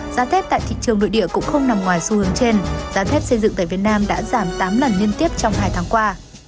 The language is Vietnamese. giá thép tại thị trường nội địa cũng không nằm ngoài xu hướng trên giá thép xây dựng tại việt nam đã giảm tám lần liên tiếp trong hai tháng qua